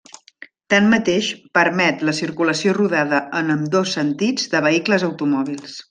Tanmateix permet la circulació rodada en ambdós sentits de vehicles automòbils.